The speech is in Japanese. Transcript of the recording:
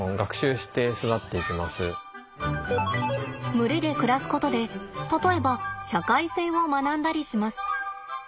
群れで暮らすことで例えば社会性を学んだりします。